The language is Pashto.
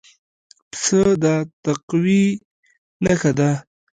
پسه د تقوی نښه ده.